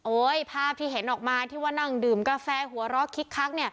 ภาพที่เห็นออกมาที่ว่านั่งดื่มกาแฟหัวเราะคิกคัก